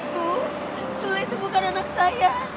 bu sule itu bukan anak saya